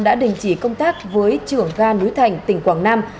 đã đình chỉ công tác với trưởng ga núi thành tỉnh quảng nam